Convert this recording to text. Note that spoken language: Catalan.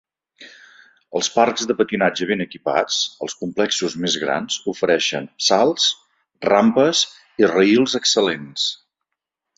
Els parcs de patinatge ben equipats als complexos més grans ofereixen salts, rampes i rails excel·lents.